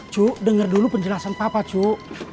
cuk dengar dulu penjelasan papa cu